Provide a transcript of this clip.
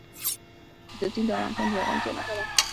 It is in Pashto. کندز سیند د افغانستان د زرغونتیا نښه ده.